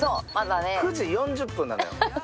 ９時４０分なのよ。